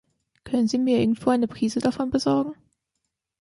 Können Sie mir irgendwo eine Prise davon besorgen?